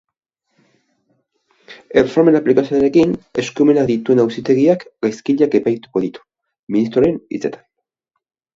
Erreformaren aplikazioarekin eskumenak dituen auzitegiak gaizkileak epaituko ditu, ministroaren hitzetan.